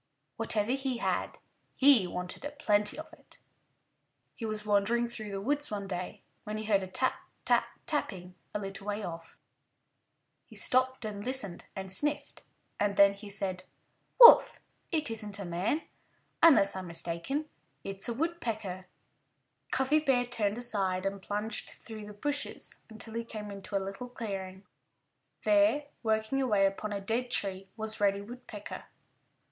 Whatever he had, he wanted a plenty of it. He was wandering through the woods one day when he heard a tap, tap, tapping a little way off. He stopped and listened and sniffed. And then he said, "Woof! It isn't a man. Unless I'm mistaken it's a Woodpecker." Cuffy Bear turned aside and plunged through the hushes until he came into a little clearing. There, working away upon a dead tree, was Reddy Woodpecker.